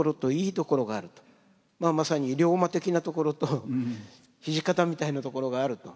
まあまさに竜馬的なところと土方みたいなところがあると。